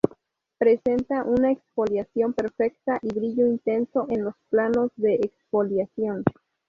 Presenta una exfoliación perfecta, y brillo intenso en los planos de exfoliación.